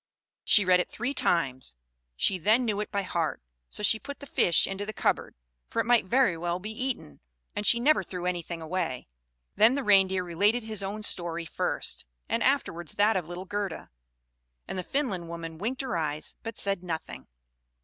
She read it three times: she then knew it by heart; so she put the fish into the cupboard for it might very well be eaten, and she never threw anything away. Then the Reindeer related his own story first, and afterwards that of little Gerda; and the Finland woman winked her eyes, but said nothing.